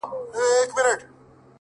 اوس خو پوره تر دوو بجو ويښ يم.!